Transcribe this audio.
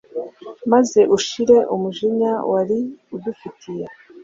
maze ushire umujinya wari udufitiye